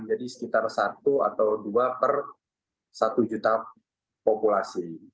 jadi sekitar satu atau dua per satu juta populasi